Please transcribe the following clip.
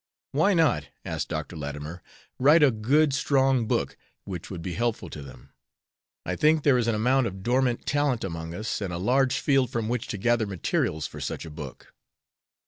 "Why not," asked Dr. Latimer, "write a good, strong book which would be helpful to them? I think there is an amount of dormant talent among us, and a large field from which to gather materials for such a book."